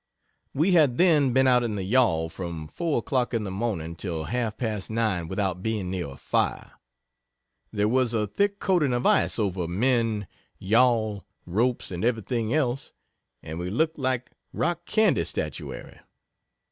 We had then been out in the yawl from 4 o'clock in the morning till half past 9 without being near a fire. There was a thick coating of ice over men, yawl, ropes and everything else, and we looked like rock candy statuary.